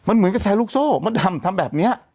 มันเหมือนกับแชร์ลูกโซ่มดดำทำแบบนี้